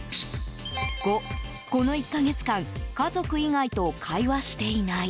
５、この１か月間家族以外と会話していない。